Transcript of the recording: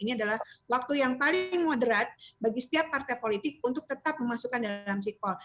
ini adalah waktu yang paling moderat bagi setiap partai politik untuk tetap memasukkan dalam sikpol